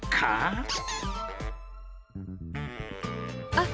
あっ！